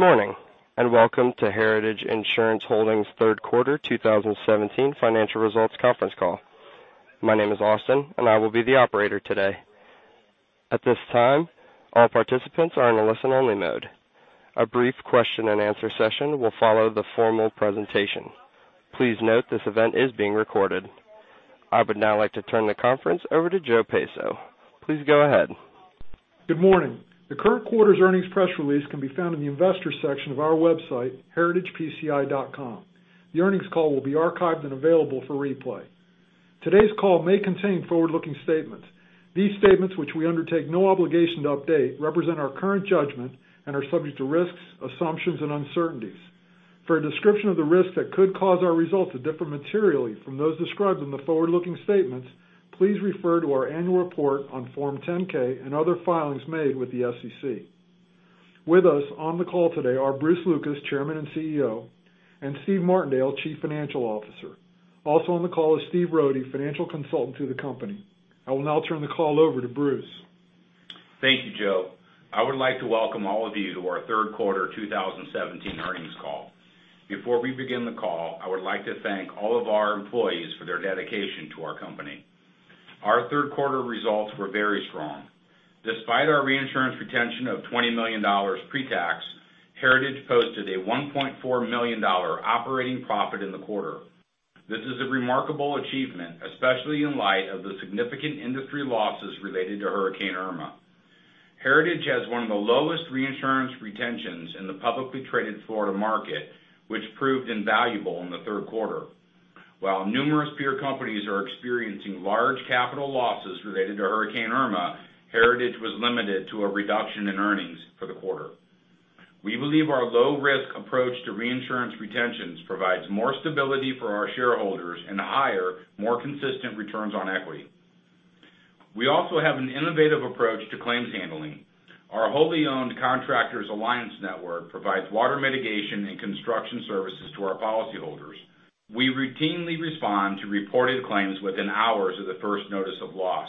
Good morning, and welcome to Heritage Insurance Holdings' third quarter 2017 financial results conference call. My name is Austin, and I will be the operator today. At this time, all participants are in a listen-only mode. A brief question-and-answer session will follow the formal presentation. Please note this event is being recorded. I would now like to turn the conference over to Joe Peiso. Please go ahead. Good morning. The current quarter's earnings press release can be found in the Investors section of our website, heritagepci.com. The earnings call will be archived and available for replay. Today's call may contain forward-looking statements. These statements, which we undertake no obligation to update, represent our current judgment and are subject to risks, assumptions, and uncertainties. For a description of the risks that could cause our results to differ materially from those described in the forward-looking statements, please refer to our annual report on Form 10-K and other filings made with the SEC. With us on the call today are Bruce Lucas, Chairman and CEO, and Steven Martindale, Chief Financial Officer. Also on the call is Stephen Rohde, Financial Consultant to the company. I will now turn the call over to Bruce. Thank you, Joe. I would like to welcome all of you to our third quarter 2017 earnings call. Before we begin the call, I would like to thank all of our employees for their dedication to our company. Our third quarter results were very strong. Despite our reinsurance retention of $20 million pre-tax, Heritage posted a $1.4 million operating profit in the quarter. This is a remarkable achievement, especially in light of the significant industry losses related to Hurricane Irma. Heritage has one of the lowest reinsurance retentions in the publicly traded Florida market, which proved invaluable in the third quarter. While numerous peer companies are experiencing large capital losses related to Hurricane Irma, Heritage was limited to a reduction in earnings for the quarter. We believe our low-risk approach to reinsurance retentions provides more stability for our shareholders and higher, more consistent returns on equity. We also have an innovative approach to claims handling. Our wholly owned Contractors Alliance Network provides water mitigation and construction services to our policyholders. We routinely respond to reported claims within hours of the first notice of loss.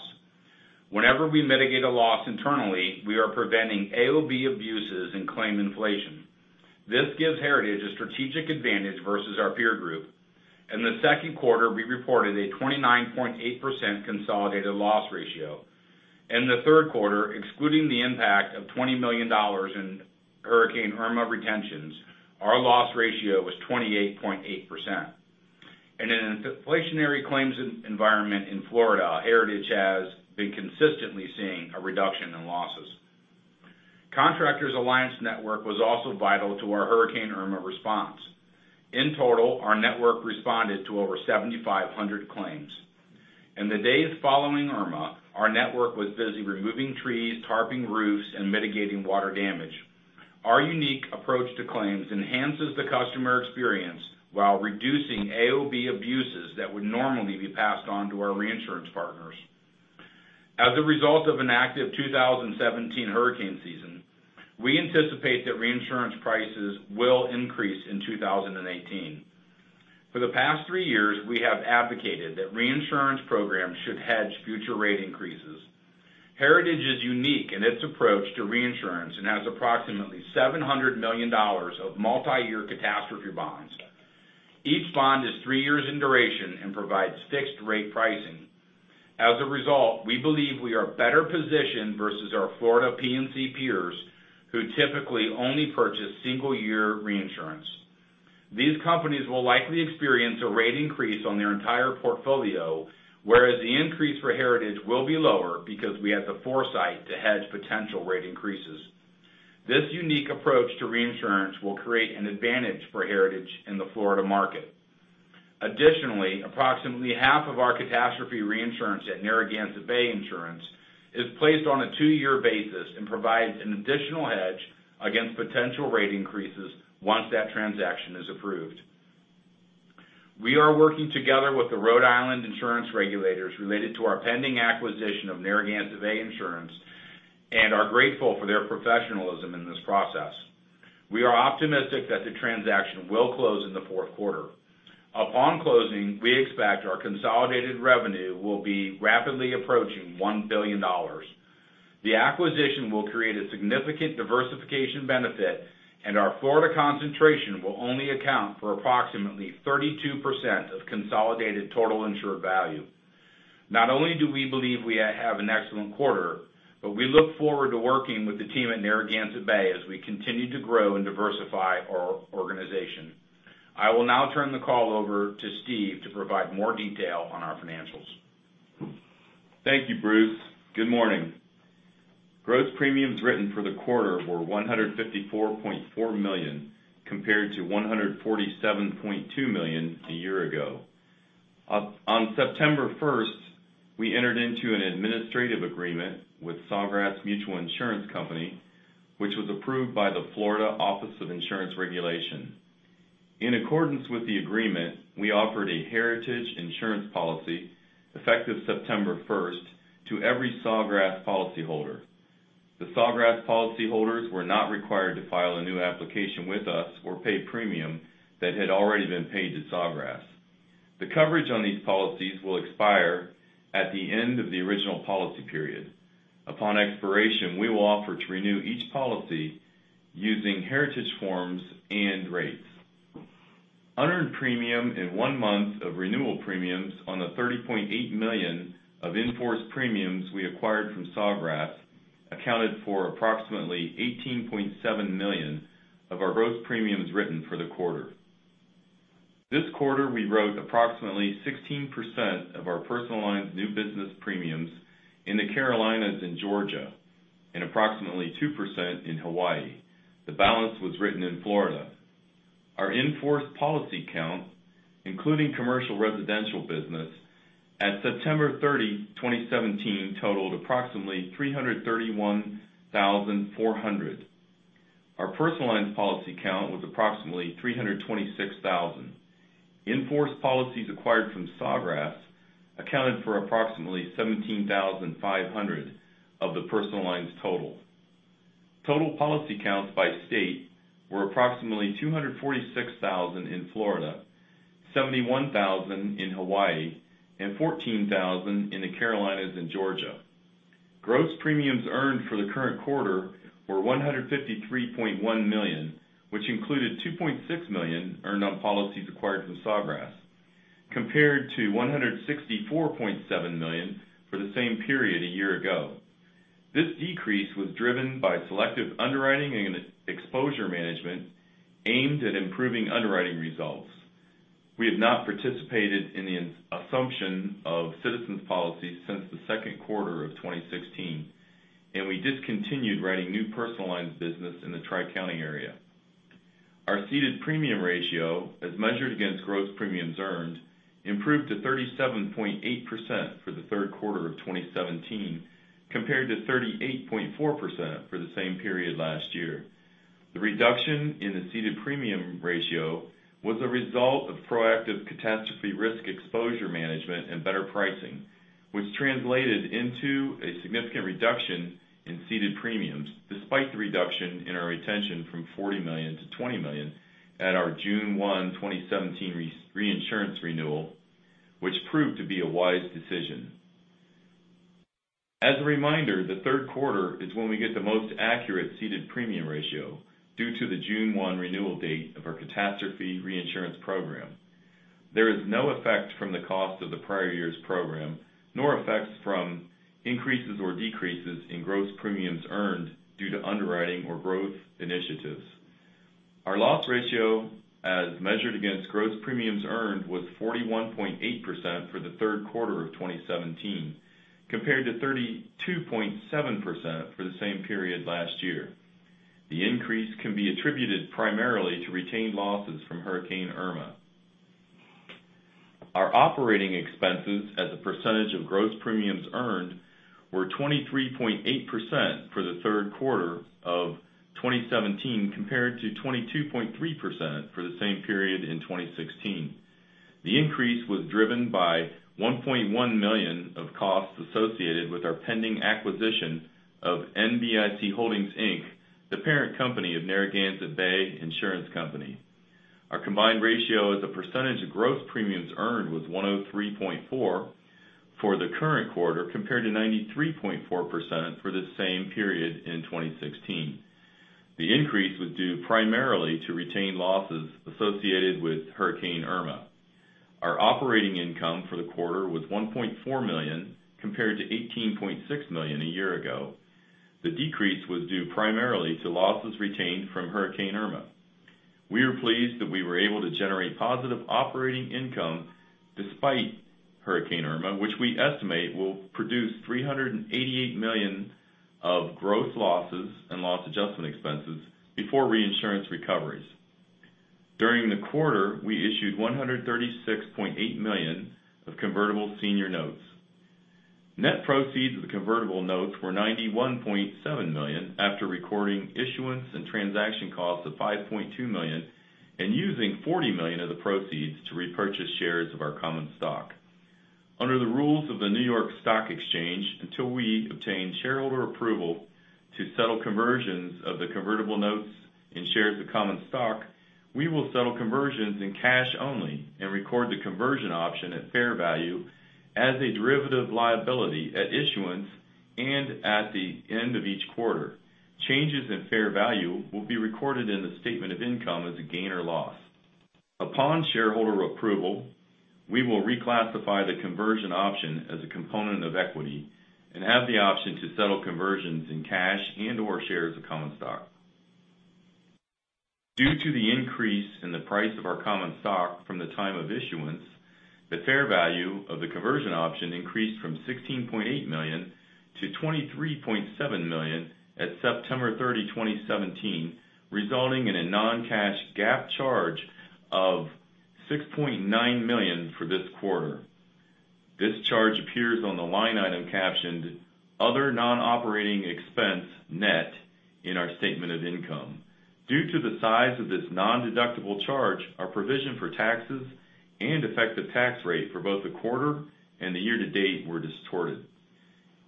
Whenever we mitigate a loss internally, we are preventing AOB abuses and claim inflation. This gives Heritage a strategic advantage versus our peer group. In the second quarter, we reported a 29.8% consolidated loss ratio. In the third quarter, excluding the impact of $20 million in Hurricane Irma retentions, our loss ratio was 28.8%. In an inflationary claims environment in Florida, Heritage has been consistently seeing a reduction in losses. Contractors Alliance Network was also vital to our Hurricane Irma response. In total, our network responded to over 7,500 claims. In the days following Irma, our network was busy removing trees, tarping roofs, and mitigating water damage. Our unique approach to claims enhances the customer experience while reducing AOB abuses that would normally be passed on to our reinsurance partners. As a result of an active 2017 hurricane season, we anticipate that reinsurance prices will increase in 2018. For the past three years, we have advocated that reinsurance programs should hedge future rate increases. Heritage is unique in its approach to reinsurance and has approximately $700 million of multi-year catastrophe bonds. Each bond is three years in duration and provides fixed rate pricing. As a result, we believe we are better positioned versus our Florida P&C peers, who typically only purchase single-year reinsurance. These companies will likely experience a rate increase on their entire portfolio, whereas the increase for Heritage will be lower because we had the foresight to hedge potential rate increases. This unique approach to reinsurance will create an advantage for Heritage in the Florida market. Additionally, approximately half of our catastrophe reinsurance at Narragansett Bay Insurance is placed on a two-year basis and provides an additional hedge against potential rate increases once that transaction is approved. We are working together with the Rhode Island insurance regulators related to our pending acquisition of Narragansett Bay Insurance and are grateful for their professionalism in this process. We are optimistic that the transaction will close in the fourth quarter. Upon closing, we expect our consolidated revenue will be rapidly approaching $1 billion. The acquisition will create a significant diversification benefit, and our Florida concentration will only account for approximately 32% of consolidated total insured value. Not only do we believe we have an excellent quarter, but we look forward to working with the team at Narragansett Bay as we continue to grow and diversify our organization. I will now turn the call over to Steve to provide more detail on our financials. Thank you, Bruce. Good morning. Gross premiums written for the quarter were $154.4 million, compared to $147.2 million a year ago. On September 1st, we entered into an administrative agreement with Sawgrass Mutual Insurance Company, which was approved by the Florida Office of Insurance Regulation. In accordance with the agreement, we offered a Heritage insurance policy effective September 1st to every Sawgrass policyholder. The Sawgrass policyholders were not required to file a new application with us or pay premium that had already been paid to Sawgrass. The coverage on these policies will expire at the end of the original policy period. Upon expiration, we will offer to renew each policy using Heritage forms and rates. Unearned premium in one month of renewal premiums on the $30.8 million of in-force premiums we acquired from Sawgrass accounted for approximately $18.7 million of our gross premiums written for the quarter. This quarter, we wrote approximately 16% of our personal lines new business premiums in the Carolinas and Georgia, and approximately 2% in Hawaii. The balance was written in Florida. Our in-force policy count, including commercial residential business, at September 30, 2017 totaled approximately 331,400. Our personal lines policy count was approximately 326,000. In-force policies acquired from Sawgrass accounted for approximately 17,500 of the personal lines total. Total policy counts by state were approximately 246,000 in Florida, 71,000 in Hawaii, and 14,000 in the Carolinas and Georgia. Gross premiums earned for the current quarter were $153.1 million, which included $2.6 million earned on policies acquired from Sawgrass, compared to $164.7 million for the same period a year ago. This decrease was driven by selective underwriting and exposure management aimed at improving underwriting results. We have not participated in the assumption of Citizens policies since the second quarter of 2016, and we discontinued writing new personal lines business in the Tri-County area. Our ceded premium ratio, as measured against gross premiums earned, improved to 37.8% for the third quarter of 2017, compared to 38.4% for the same period last year. The reduction in the ceded premium ratio was a result of proactive catastrophe risk exposure management and better pricing, which translated into a significant reduction in ceded premiums despite the reduction in our retention from $40 million to $20 million at our June 1, 2017 reinsurance renewal, which proved to be a wise decision. As a reminder, the third quarter is when we get the most accurate ceded premium ratio due to the June 1 renewal date of our catastrophe reinsurance program. There is no effect from the cost of the prior year's program, nor effects from increases or decreases in gross premiums earned due to underwriting or growth initiatives. Our loss ratio, as measured against gross premiums earned, was 41.8% for the third quarter of 2017, compared to 32.7% for the same period last year. The increase can be attributed primarily to retained losses from Hurricane Irma. Our operating expenses as a percentage of gross premiums earned were 23.8% for the third quarter of 2017, compared to 22.3% for the same period in 2016. The increase was driven by $1.1 million of costs associated with our pending acquisition of NBIC Holdings, Inc., the parent company of Narragansett Bay Insurance Company. Our combined ratio as a percentage of gross premiums earned was 103.4% for the current quarter, compared to 93.4% for the same period in 2016. The increase was due primarily to retained losses associated with Hurricane Irma. Our operating income for the quarter was $1.4 million, compared to $18.6 million a year ago. The decrease was due primarily to losses retained from Hurricane Irma. We are pleased that we were able to generate positive operating income despite Hurricane Irma, which we estimate will produce $388 million of gross losses and loss adjustment expenses before reinsurance recoveries. During the quarter, we issued $136.8 million of convertible senior notes. Net proceeds of the convertible notes were $91.7 million after recording issuance and transaction costs of $5.2 million and using $40 million of the proceeds to repurchase shares of our common stock. Under the rules of the New York Stock Exchange, until we obtain shareholder approval to settle conversions of the convertible notes in shares of common stock, we will settle conversions in cash only and record the conversion option at fair value as a derivative liability at issuance and at the end of each quarter. Changes in fair value will be recorded in the statement of income as a gain or loss. Upon shareholder approval, we will reclassify the conversion option as a component of equity and have the option to settle conversions in cash and/or shares of common stock. Due to the increase in the price of our common stock from the time of issuance, the fair value of the conversion option increased from $16.8 million to $23.7 million at September 30, 2017, resulting in a non-cash GAAP charge of $6.9 million for this quarter. This charge appears on the line item captioned Other Non-Operating Expense Net in our statement of income. Due to the size of this non-deductible charge, our provision for taxes and effective tax rate for both the quarter and the year to date were distorted.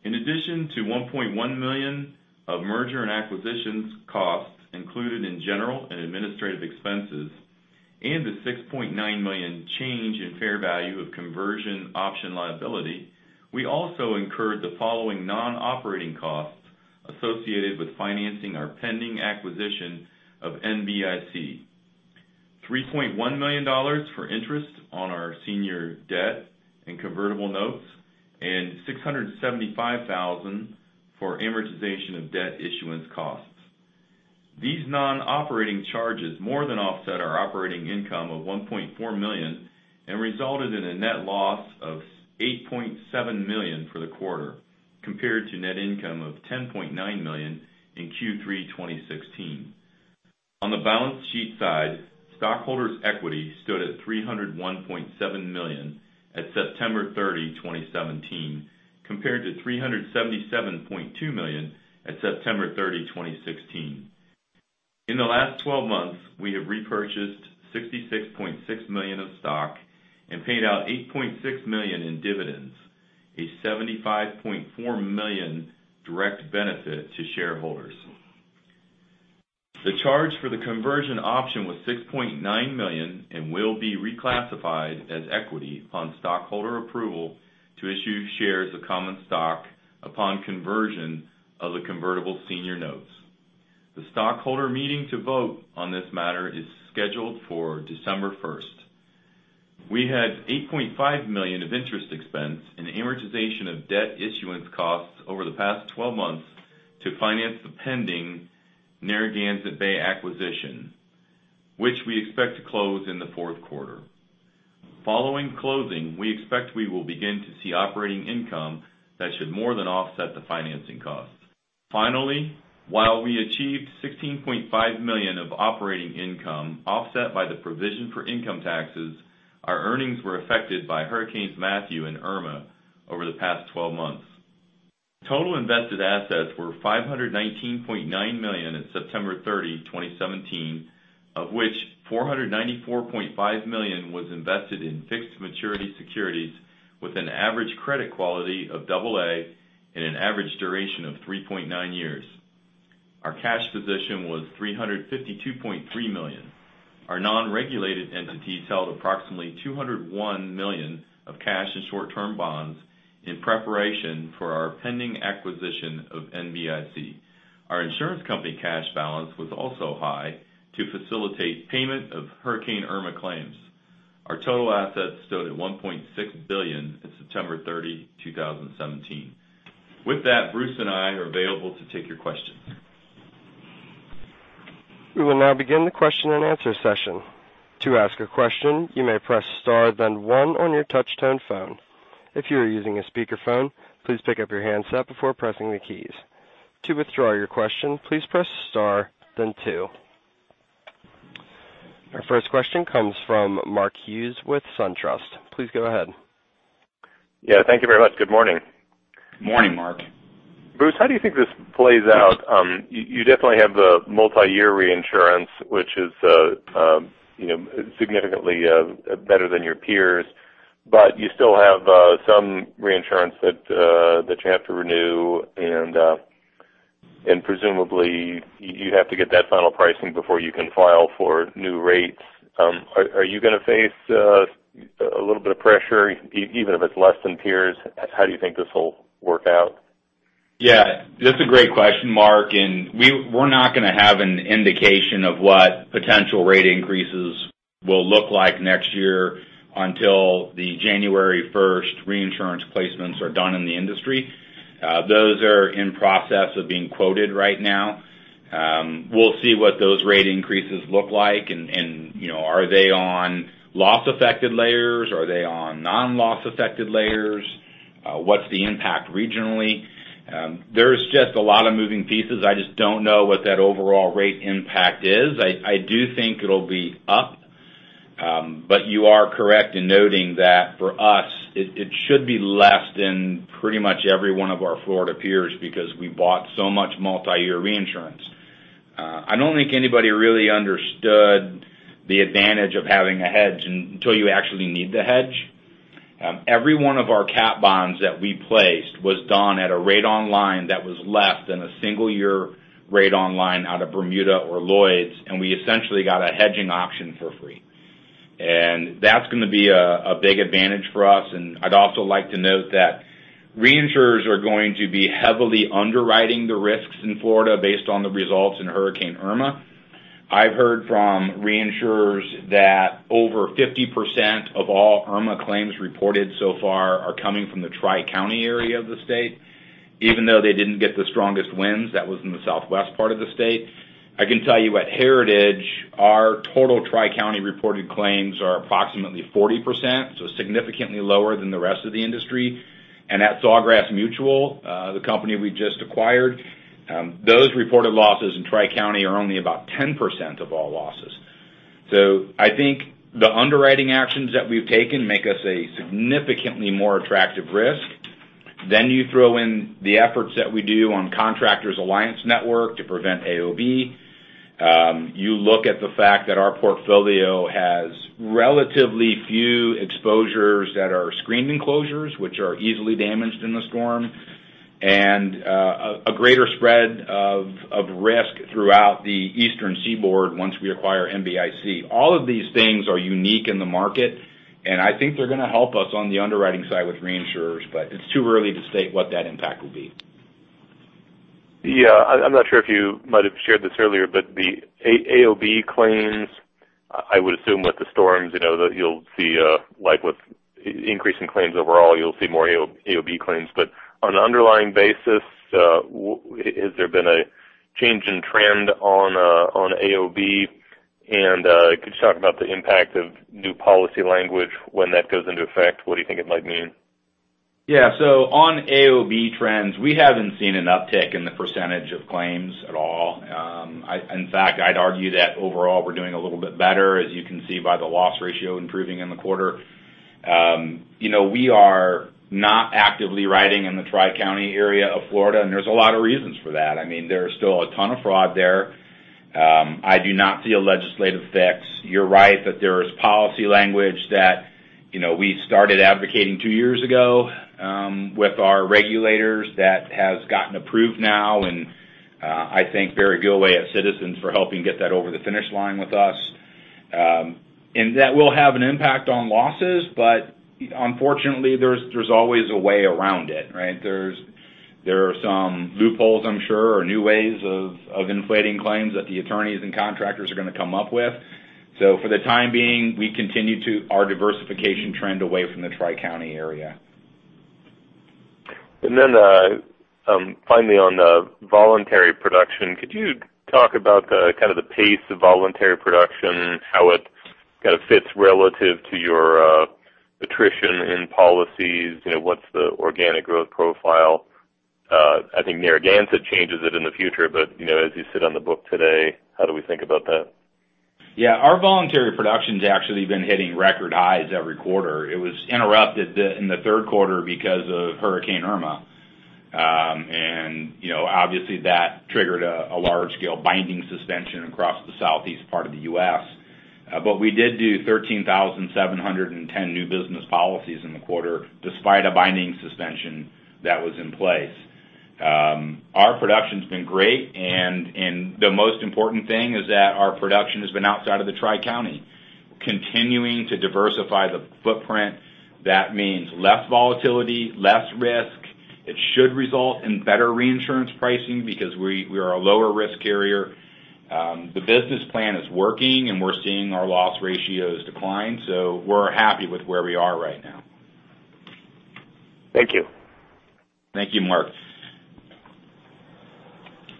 In addition to $1.1 million of merger and acquisitions costs included in general and administrative expenses, and the $6.9 million change in fair value of conversion option liability, we also incurred the following non-operating costs associated with financing our pending acquisition of NBIC: $3.1 million for interest on our senior debt and convertible notes, and $675,000 for amortization of debt issuance costs. These non-operating charges more than offset our operating income of $1.4 million, and resulted in a net loss of $8.7 million for the quarter, compared to net income of $10.9 million in Q3 2016. On the balance sheet side, stockholders' equity stood at $301.7 million at September 30, 2017, compared to $377.2 million at September 30, 2016. In the last 12 months, we have repurchased $66.6 million of stock and paid out $8.6 million in dividends, a $75.4 million direct benefit to shareholders. The charge for the conversion option was $6.9 million and will be reclassified as equity on stockholder approval to issue shares of common stock upon conversion of the convertible senior notes. The stockholder meeting to vote on this matter is scheduled for December 1st. We had $8.5 million of interest expense in amortization of debt issuance costs over the past 12 months to finance the pending Narragansett Bay acquisition, which we expect to close in the fourth quarter. Following closing, we expect we will begin to see operating income that should more than offset the financing costs. While we achieved $16.5 million of operating income offset by the provision for income taxes, our earnings were affected by hurricanes Matthew and Irma over the past 12 months. Total invested assets were $519.9 million at September 30, 2017, of which $494.5 million was invested in fixed maturity securities with an average credit quality of double A and an average duration of 3.9 years. Our cash position was $352.3 million. Our non-regulated entities held approximately $201 million of cash and short-term bonds in preparation for our pending acquisition of NBIC. Our insurance company cash balance was also high to facilitate payment of Hurricane Irma claims. Our total assets stood at $1.6 billion at September 30, 2017. With that, Bruce and I are available to take your questions. We will now begin the question and answer session. To ask a question, you may press star then one on your touch tone phone. If you are using a speaker phone, please pick up your handset before pressing the keys. To withdraw your question, please press star then two. Our first question comes from Mark Hughes with SunTrust. Please go ahead. Yeah, thank you very much. Good morning. Morning, Mark. Bruce, how do you think this plays out? You definitely have the multi-year reinsurance, which is significantly better than your peers, but you still have some reinsurance that you have to renew, and presumably, you have to get that final pricing before you can file for new rates. Are you going to face a little bit of pressure, even if it's less than peers? How do you think this will work out? Yeah, that's a great question, Mark. We're not going to have an indication of what potential rate increases will look like next year until the January 1st reinsurance placements are done in the industry. Those are in process of being quoted right now. We'll see what those rate increases look like. Are they on loss-affected layers? Are they on non-loss-affected layers? What's the impact regionally? There's just a lot of moving pieces. I just don't know what that overall rate impact is. I do think it'll be up. You are correct in noting that for us, it should be less than pretty much every one of our Florida peers because we bought so much multi-year reinsurance. I don't think anybody really understood the advantage of having a hedge until you actually need the hedge. Every one of our cat bonds that we placed was done at a rate online that was less than a single year rate online out of Bermuda or Lloyd's. We essentially got a hedging option for free. That's going to be a big advantage for us. I'd also like to note that reinsurers are going to be heavily underwriting the risks in Florida based on the results in Hurricane Irma. I've heard from reinsurers that over 50% of all Irma claims reported so far are coming from the Tri-County area of the state, even though they didn't get the strongest winds. That was in the southwest part of the state. I can tell you at Heritage, our total Tri-County reported claims are approximately 40%, so significantly lower than the rest of the industry. At Sawgrass Mutual, the company we just acquired, those reported losses in Tri-County are only about 10% of all losses. I think the underwriting actions that we've taken make us a significantly more attractive risk. You throw in the efforts that we do on Contractors Alliance Network to prevent AOB. You look at the fact that our portfolio has relatively few exposures that are screened enclosures, which are easily damaged in the storm, and a greater spread of risk throughout the eastern seaboard once we acquire NBIC. All of these things are unique in the market. I think they're going to help us on the underwriting side with reinsurers. It's too early to state what that impact will be. Yeah. I'm not sure if you might have shared this earlier, the AOB claims, I would assume with the storms, that you'll see, with increase in claims overall, you'll see more AOB claims. On an underlying basis, has there been a change in trend on AOB, and could you talk about the impact of new policy language when that goes into effect? What do you think it might mean? Yeah. On AOB trends, we haven't seen an uptick in the percentage of claims at all. In fact, I'd argue that overall we're doing a little bit better, as you can see by the loss ratio improving in the quarter. We are not actively writing in the Tri-County area of Florida, there's a lot of reasons for that. There's still a ton of fraud there. I do not see a legislative fix. You're right that there is policy language that we started advocating two years ago with our regulators that has gotten approved now, I thank Barry Gilway at Citizens for helping get that over the finish line with us. That will have an impact on losses, unfortunately, there's always a way around it, right? There are some loopholes, I'm sure, or new ways of inflating claims that the attorneys and contractors are going to come up with. For the time being, we continue our diversification trend away from the Tri-County area. Finally on voluntary production, could you talk about kind of the pace of voluntary production, how it kind of fits relative to your attrition in policies? What's the organic growth profile? I think Narragansett changes it in the future, as you sit on the book today, how do we think about that? Yeah. Our voluntary production's actually been hitting record highs every quarter. It was interrupted in the third quarter because of Hurricane Irma. Obviously that triggered a large-scale binding suspension across the southeast part of the U.S. We did do 13,710 new business policies in the quarter despite a binding suspension that was in place. Our production's been great, and the most important thing is that our production has been outside of the Tri-County. Continuing to diversify the footprint, that means less volatility, less risk. It should result in better reinsurance pricing because we are a lower risk carrier. The business plan is working, and we're seeing our loss ratios decline. We're happy with where we are right now. Thank you. Thank you, Mark.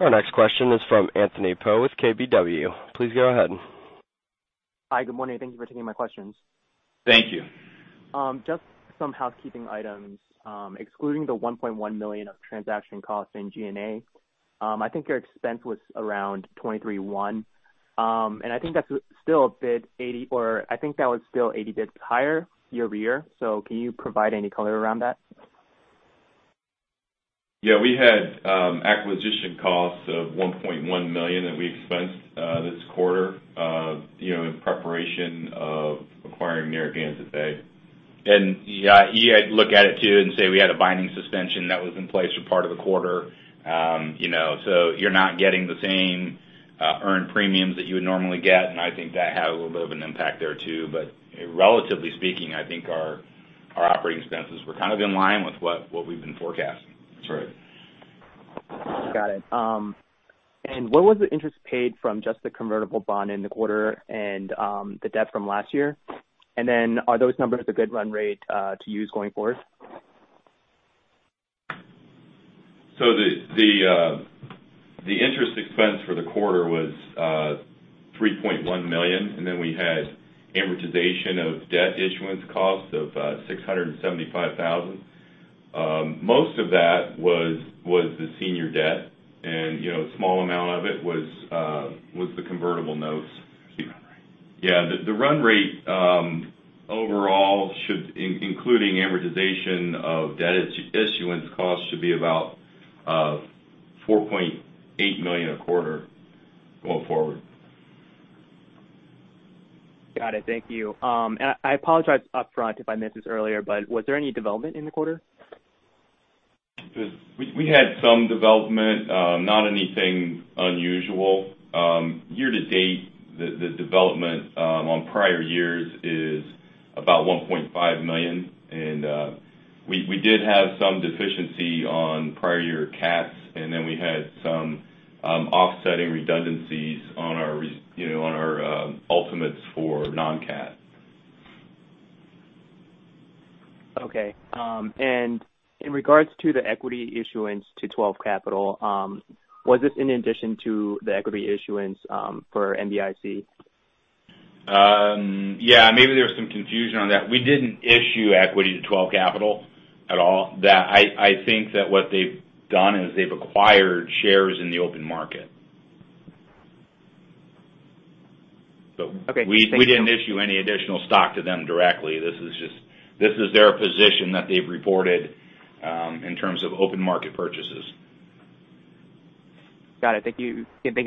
Our next question is from Anthony Po with KBW. Please go ahead. Hi. Good morning. Thank you for taking my questions. Thank you. Just some housekeeping items. Excluding the $1.1 million of transaction costs in G&A, I think your expense was around 23.1%. I think that's still a bit 80, or I think that was still 80 basis points higher year-over-year. Can you provide any color around that? Yeah. We had acquisition costs of $1.1 million that we expensed this quarter in preparation of acquiring Narragansett Bay. You look at it too and say we had a binding suspension that was in place for part of the quarter. You're not getting the same earned premiums that you would normally get, I think that had a little bit of an impact there too. Relatively speaking, I think our operating expenses were kind of in line with what we've been forecasting. That's right. Got it. What was the interest paid from just the convertible bond in the quarter and the debt from last year? Are those numbers a good run rate to use going forward? The interest expense for the quarter was $3.1 million, and then we had amortization of debt issuance cost of $675,000. Most of that was the senior debt, and a small amount of it was the convertible notes. The run rate. Yeah. The run rate, overall, including amortization of debt issuance cost, should be about $4.8 million a quarter going forward. Got it. Thank you. I apologize upfront if I missed this earlier, but was there any development in the quarter? We had some development, not anything unusual. Year to date, the development on prior years is about $1.5 million. We did have some deficiency on prior year CATs, and then we had some offsetting redundancies on our ultimates for non-CAT. Okay. In regards to the equity issuance to Twelve Capital, was this in addition to the equity issuance for NBIC? Yeah. Maybe there's some confusion on that. We didn't issue equity to Twelve Capital at all. I think that what they've done is they've acquired shares in the open market. We didn't issue any additional stock to them directly. This is their position that they've reported in terms of open market purchases. Got it. Thank you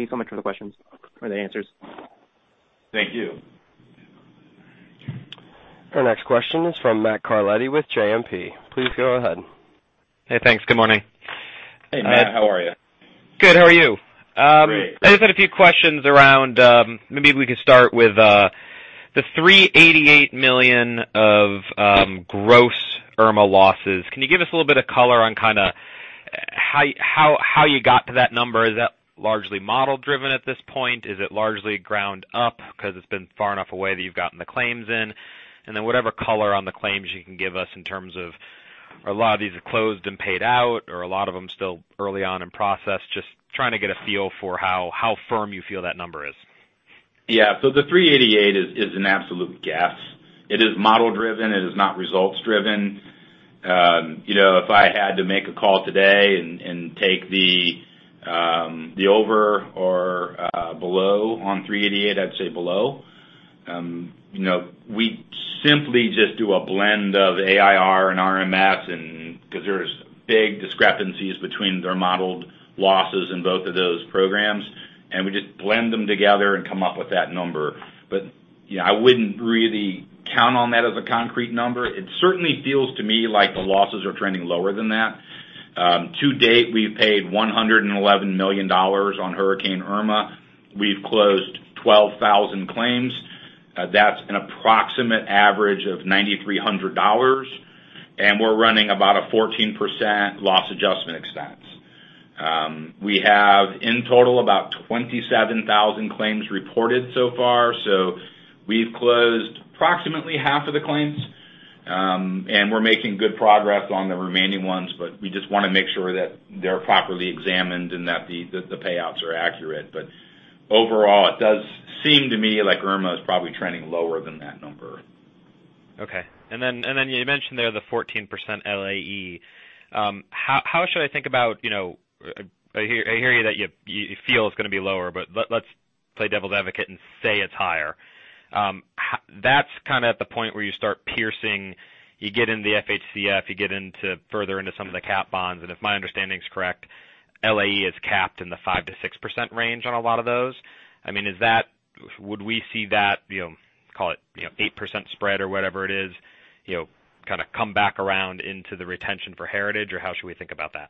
so much for the questions or the answers. Thank you. Our next question is from Matt Carletti with JMP. Please go ahead. Hey, thanks. Good morning. Hey, Matt. How are you? Good. How are you? Great. I just had a few questions around, maybe we could start with the $388 million of gross Irma losses. Can you give us a little bit of color on how you got to that number? Is that largely model-driven at this point? Is it largely ground up because it's been far enough away that you've gotten the claims in? Whatever color on the claims you can give us in terms of a lot of these are closed and paid out, or a lot of them still early on in process, just trying to get a feel for how firm you feel that number is. The 388 is an absolute guess. It is model-driven. It is not results-driven. If I had to make a call today and take the over or below on 388, I'd say below. We simply just do a blend of AIR and RMS because there's big discrepancies between their modeled losses in both of those programs, and we just blend them together and come up with that number. I wouldn't really count on that as a concrete number. It certainly feels to me like the losses are trending lower than that. To date, we've paid $111 million on Hurricane Irma. We've closed 12,000 claims. That's an approximate average of $9,300. We're running about a 14% loss adjustment expense. We have, in total, about 27,000 claims reported so far. We've closed approximately half of the claims, and we're making good progress on the remaining ones, but we just want to make sure that they're properly examined and that the payouts are accurate. Overall, it does seem to me like Irma is probably trending lower than that number. Okay. Then you mentioned there the 14% LAE. How should I think about, I hear you that you feel it's going to be lower, but let's play devil's advocate and say it's higher. That's kind of at the point where you start piercing, you get into the FHCF, you get further into some of the catastrophe bonds, and if my understanding's correct, LAE is capped in the 5%-6% range on a lot of those. Would we see that, call it 8% spread or whatever it is, kind of come back around into the retention for Heritage? How should we think about that?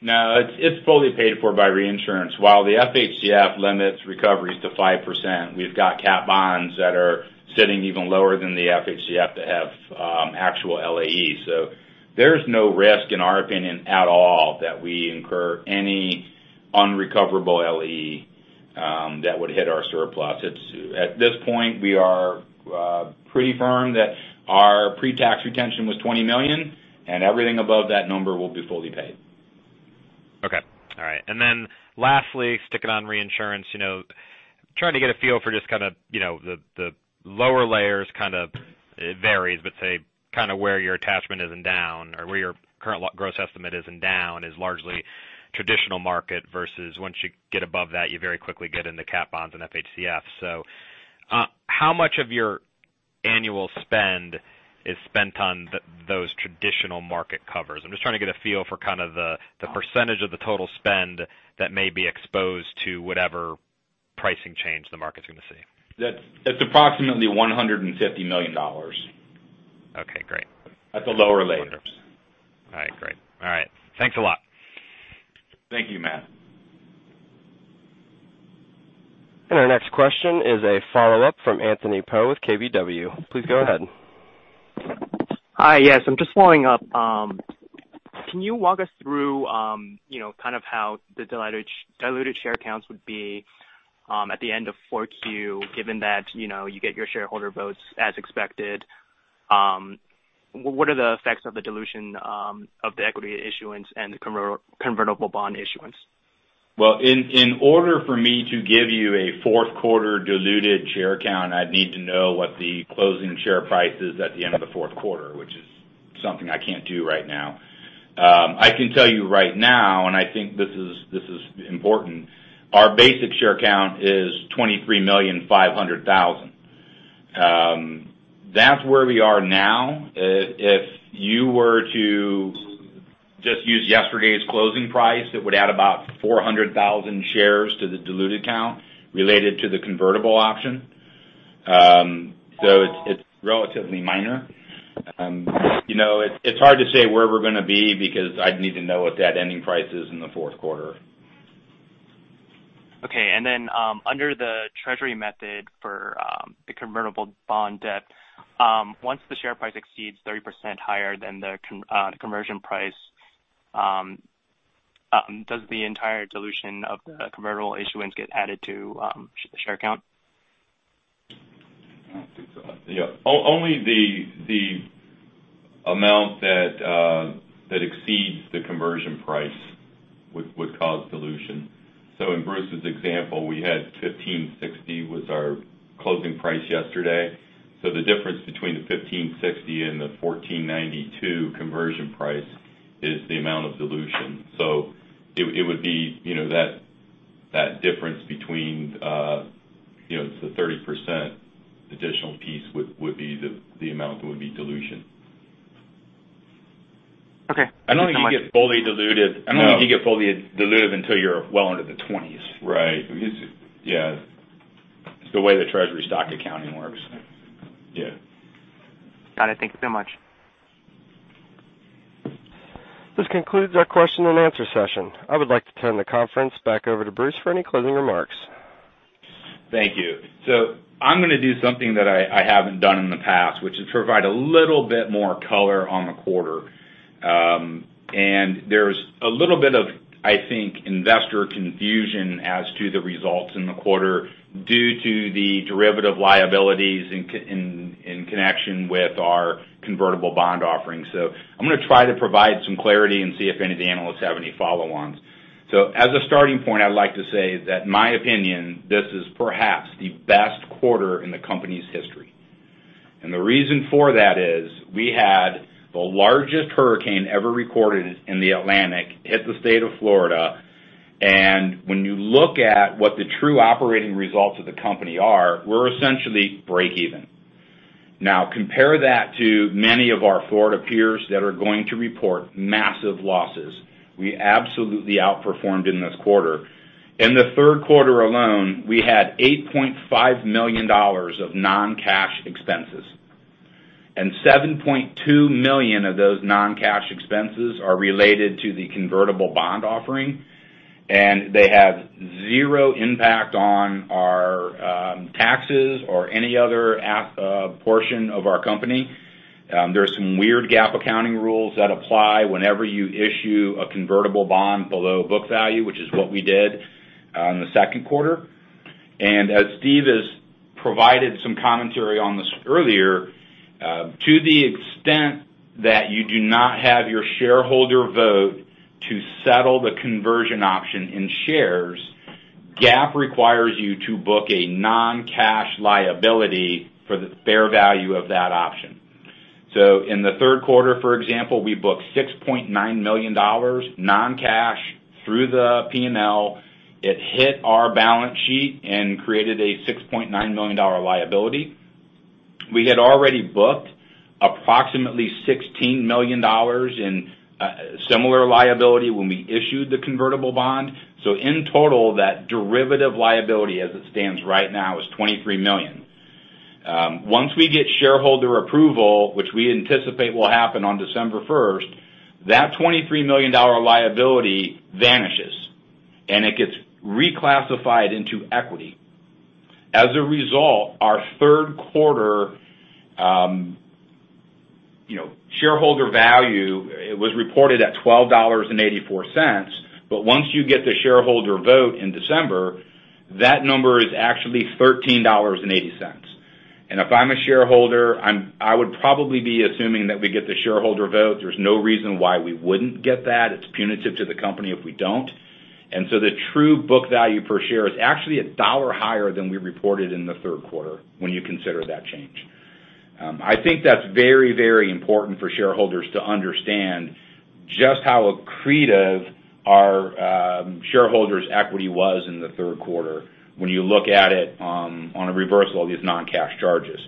No, it's fully paid for by reinsurance. While the FHCF limits recoveries to 5%, we've got catastrophe bonds that are sitting even lower than the FHCF that have actual LAE. There's no risk, in our opinion, at all, that we incur any unrecoverable LAE that would hit our surplus. At this point, we are pretty firm that our pre-tax retention was $20 million, and everything above that number will be fully paid. Okay. All right. Lastly, sticking on reinsurance. Trying to get a feel for just kind of the lower layers kind of, it varies, but say kind of where your attachment is and down, or where your current gross estimate is and down is largely traditional market versus once you get above that, you very quickly get into catastrophe bonds and FHCF. How much of your annual spend is spent on those traditional market covers? I am just trying to get a feel for kind of the percentage of the total spend that may be exposed to whatever pricing change the market's going to see. That's approximately $150 million. Okay, great. At the lower layers. All right, great. All right. Thanks a lot. Thank you, Matt. Our next question is a follow-up from Anthony Po with KBW. Please go ahead. Hi. I'm just following up. Can you walk us through kind of how the diluted share counts would be at the end of four Q, given that you get your shareholder votes as expected? What are the effects of the dilution of the equity issuance and the convertible bond issuance? Well, in order for me to give you a fourth quarter diluted share count, I'd need to know what the closing share price is at the end of the fourth quarter, which is something I can't do right now. I can tell you right now, and I think this is important. Our basic share count is 23,500,000. That's where we are now. If you were to just use yesterday's closing price, it would add about 400,000 shares to the diluted count related to the convertible option. It's relatively minor. It's hard to say where we're going to be because I'd need to know what that ending price is in the fourth quarter. Okay. Under the treasury method for the convertible bond debt, once the share price exceeds 30% higher than the conversion price, does the entire dilution of the convertible issuance get added to share count? Only the amount that exceeds the conversion price would cause dilution. In Bruce's example, we had $15.60 was our closing price yesterday. The difference between the $15.60 and the $14.92 conversion price is the amount of dilution. It would be that difference between the 30% additional piece would be the amount that would be dilution. Okay. I don't think you get fully diluted until you're well into the 20s. Right. Yeah. It's the way the treasury stock accounting works. Yeah. Got it. Thank you so much. This concludes our question and answer session. I would like to turn the conference back over to Bruce for any closing remarks. Thank you. I'm going to do something that I haven't done in the past, which is provide a little bit more color on the quarter. There's a little bit of, I think, investor confusion as to the results in the quarter due to the derivative liabilities in connection with our convertible bond offering. I'm going to try to provide some clarity and see if any of the analysts have any follow-ons. As a starting point, I'd like to say that my opinion, this is perhaps the best quarter in the company's history. The reason for that is we had the largest hurricane ever recorded in the Atlantic hit the state of Florida, and when you look at what the true operating results of the company are, we're essentially break-even. Now, compare that to many of our Florida peers that are going to report massive losses. We absolutely outperformed in this quarter. In the third quarter alone, we had $8.5 million of non-cash expenses, $7.2 million of those non-cash expenses are related to the convertible bond offering. They have zero impact on our taxes or any other portion of our company. There are some weird GAAP accounting rules that apply whenever you issue a convertible bond below book value, which is what we did in the second quarter. As Steve has provided some commentary on this earlier, to the extent that you do not have your shareholder vote to settle the conversion option in shares, GAAP requires you to book a non-cash liability for the fair value of that option. In the third quarter, for example, we booked $6.9 million non-cash through the P&L. It hit our balance sheet and created a $6.9 million liability. We had already booked approximately $16 million in similar liability when we issued the convertible bond. In total, that derivative liability, as it stands right now, is $23 million. Once we get shareholder approval, which we anticipate will happen on December 1st, that $23 million liability vanishes, and it gets reclassified into equity. As a result, our third quarter shareholder value, it was reported at $12.84, but once you get the shareholder vote in December, that number is actually $13.80. If I'm a shareholder, I would probably be assuming that we get the shareholder vote. There's no reason why we wouldn't get that. It's punitive to the company if we don't. The true book value per share is actually a dollar higher than we reported in the third quarter when you consider that change. That's very important for shareholders to understand just how accretive our shareholders' equity was in the third quarter when you look at it on a reversal of these non-cash charges.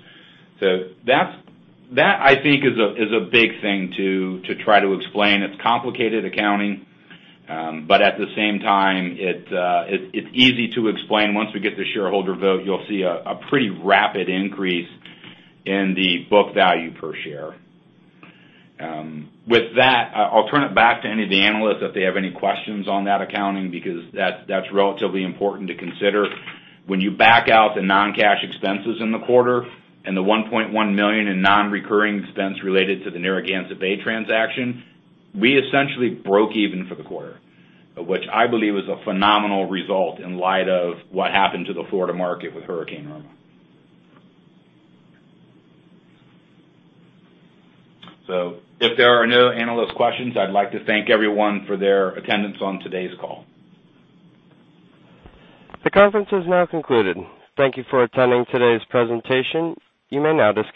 That, I think, is a big thing to try to explain. It's complicated accounting. At the same time, it's easy to explain. Once we get the shareholder vote, you'll see a pretty rapid increase in the book value per share. With that, I'll turn it back to any of the analysts if they have any questions on that accounting because that's relatively important to consider. When you back out the non-cash expenses in the quarter and the $1.1 million in non-recurring expense related to the Narragansett Bay transaction, we essentially broke even for the quarter, which I believe is a phenomenal result in light of what happened to the Florida market with Hurricane Irma. If there are no analyst questions, I'd like to thank everyone for their attendance on today's call. The conference is now concluded. Thank you for attending today's presentation. You may now disconnect.